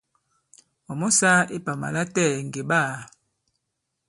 Ɔ̀ mɔ sāā ipàmà latɛɛ̀ ŋgè ɓaā.